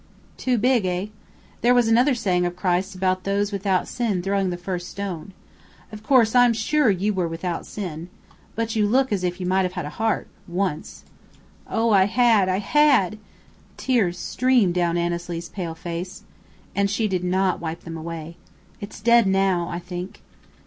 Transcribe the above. "Too big, eh? There was another saying of Christ's about those without sin throwing the first stone. Of course I'm sure you were without sin. But you look as if you might have had a heart once." "Oh, I had, I had!" Tears streamed down Annesley's pale face, and she did not wipe them away. "It's dead now I think."